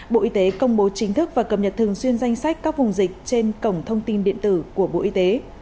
bộ y tế công bố chính thức và cập nhật thường xuyên danh sách các vùng dịch trên cổng thông tin điện tử của bộ y tế